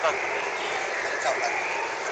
که انلاین مواد منظم وي، ذهن نه ګډوډېږي.